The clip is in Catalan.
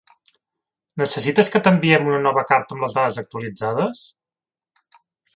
Necessites que t'enviem una nova carta amb les dades actualitzades?